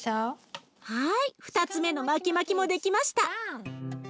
はい２つ目のマキマキも出来ました！